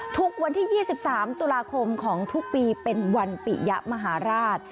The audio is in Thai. ทุกวันที่๒๓ตุลาคมของทุกปีเป็นวันปิยะมหาราช